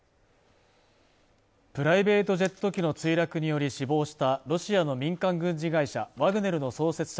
プライベートジェット機の墜落により死亡したロシアの民間軍事会社ワグネルの創設者